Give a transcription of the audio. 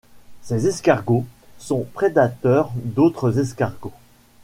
Ces escargots sont prédateurs d'autres escargots.